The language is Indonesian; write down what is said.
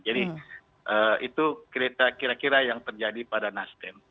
jadi itu kira kira yang terjadi pada nasdem